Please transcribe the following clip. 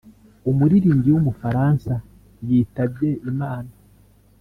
umuririmbyi w’umufaransa yitabye Imana